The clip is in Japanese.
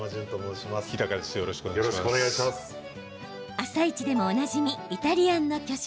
「あさイチ」でもおなじみイタリアンの巨匠